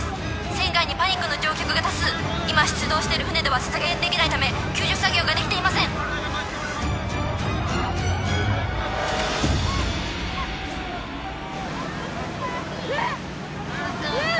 船外にパニックの乗客が多数今出動している船では接舷できないため救助作業ができていませんねえねえ